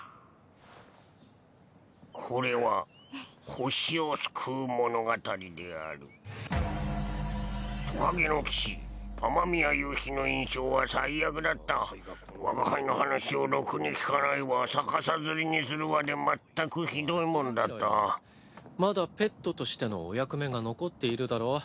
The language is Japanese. これは惑星を救う物語であるトカゲの騎士雨宮夕日の印象は最悪だった我が輩の話をろくに聞かないわ逆さづりにするわで全くひどいもんだったまだペットとしてのお役目が残っているだろ。